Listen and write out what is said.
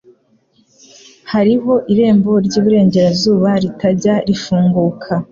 Hariho irembo ry'iburengerazuba ritajya ri funguka